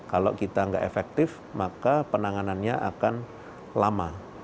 kalau kita nggak efektif maka penanganannya akan lama